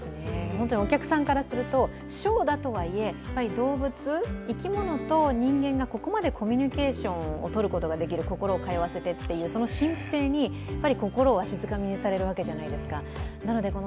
お客さんからすると、ショーだけでなく動物、生き物と人間がここまでコミュニケーションをとることができる心を通わせてという、その神秘性に心をわしづかみにされるわけじゃないですか。